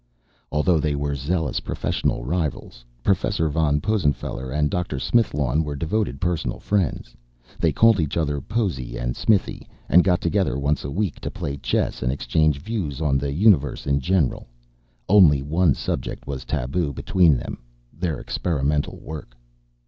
Although they were zealous professional rivals, Prof. von Possenfeller and Dr. Smithlawn were devoted personal friends. They called each other Possy and Smithy and got together once a week to play chess and exchange views on the universe in general. Only one subject was taboo between them their experimental work.